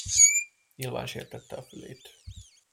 Nyilván sértette a fülét.